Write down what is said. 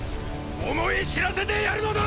思い知らせてやるのだ！！